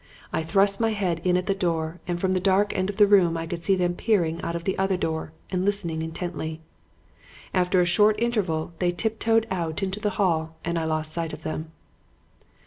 I thrust my head in at the door and from the dark end of the room I could see them peering out of the other door and listening intently. After a short interval they tip toed out into the hall and I lost sight of them.